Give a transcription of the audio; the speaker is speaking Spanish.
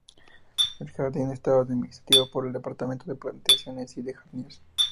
El jardín estaba administrado por el "Departamento de plantaciones y de jardines".